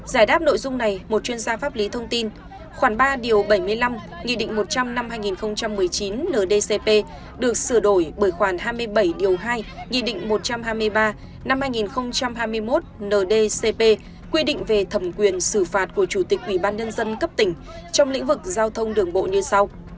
giải đáp nội dung này một chuyên gia pháp lý thông tin khoảng ba điều bảy mươi năm nghị định một trăm linh năm hai nghìn một mươi chín ndcp được sửa đổi bởi khoản hai mươi bảy điều hai nghị định một trăm hai mươi ba năm hai nghìn hai mươi một ndcp quy định về thẩm quyền xử phạt của chủ tịch ủy ban nhân dân cấp tỉnh trong lĩnh vực giao thông đường bộ như sau